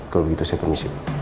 kalau begitu saya permisi